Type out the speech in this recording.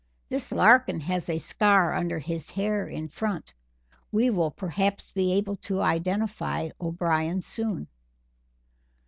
This Larkin has a scar under his hair in front. We will perhaps be able to identify O'Brien soon."